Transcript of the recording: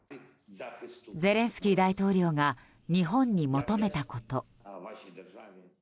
ゼレンスキー大統領が日本に求めたこと。